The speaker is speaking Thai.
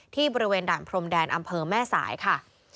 ที่บริเวณด่านพรมแดนอำเภอแม่สายค่ะ